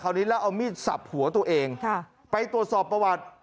นี้แล้วเอามีดสับหัวตัวเองค่ะไปตรวจสอบประวัติ